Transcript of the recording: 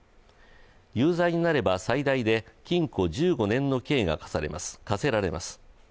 有罪になれば最大で禁錮１５年の刑が科せられます。